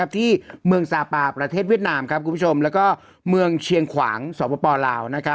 ที่เมืองสาปาลประเทศเวียดนามแล้วก็เมืองเชียงขวางสวปล้อราว